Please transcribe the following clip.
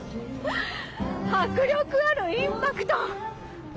迫力ある、インパクト！